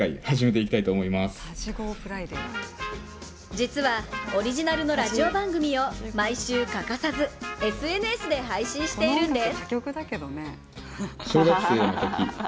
実はオリジナルのラジオ番組を毎週欠かさずＳＮＳで配信しているんです。